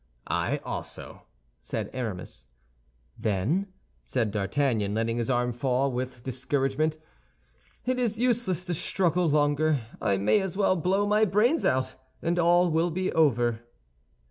"I also," said Aramis. "Then," said D'Artagnan, letting his arm fall with discouragement, "it is useless to struggle longer. I may as well blow my brains out, and all will be over."